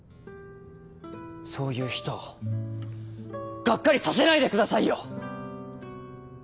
そういう人をがっかりさせないでくださいよ！